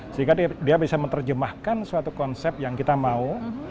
sehingga dia bisa menerjemahkan suatu konsep yang kita mau